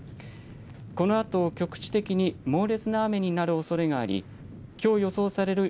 このあと局地的に猛烈な雨になるおそれがあり、きょう予想される